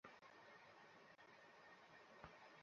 বালকদের এ খেলা কিছুক্ষণ চলতে থাকে।